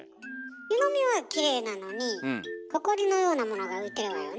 湯のみはきれいなのにホコリのようなものが浮いてるわよね。